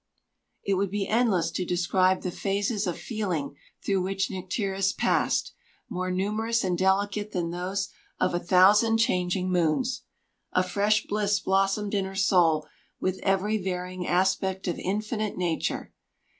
It would be endless to describe the phases of feeling through which Nycteris passed, more numerous and delicate than those of a thousand changing moons. A fresh bliss bloomed in her soul with every varying aspect of infinite nature.